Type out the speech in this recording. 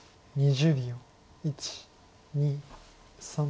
２０秒。